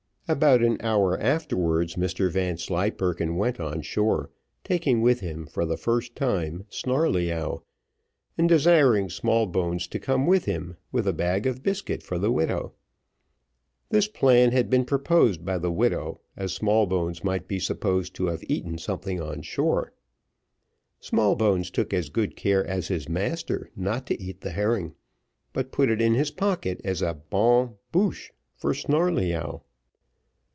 About an hour afterwards Mr Vanslyperken went on shore, taking with him, for the first time, Snarleyyow, and desiring Smallbones to come with him, with a bag of biscuit for the widow. This plan had been proposed by the widow, as Smallbones might be supposed to have eaten something on shore. Smallbones took as good care as his master not to eat the herring, but put it in his pocket as a bonne bouche for Snarleyyow.